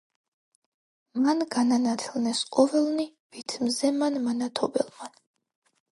,მან განანათლნეს ყოველნი, ვით მზემან მანათობელმან.